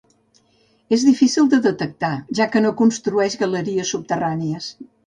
És difícil de detectar, ja que no construeix galeries subterrànies.